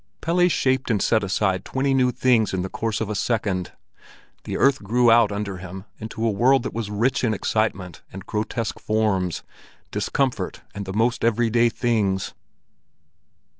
Pelle shaped and set aside twenty new things in the course of a second. The earth grew out under him into a world that was rich in excitement and grotesque forms, discomfort and the most everyday things.